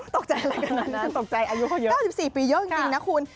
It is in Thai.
ตกใจอะไรขนาดนั้นตกใจอายุเยอะ๙๔ปีเยอะจริงนะคุณ